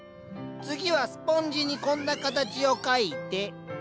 次はスポンジにこんな形を描いて。